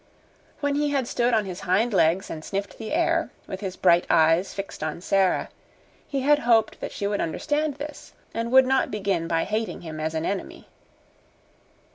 When he had stood on his hind legs and sniffed the air, with his bright eyes fixed on Sara, he had hoped that she would understand this, and would not begin by hating him as an enemy.